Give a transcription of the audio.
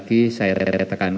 kita juga berharap